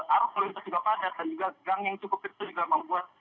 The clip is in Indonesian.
arus lalu lintas juga padat dan juga gang yang cukup kecil juga membuat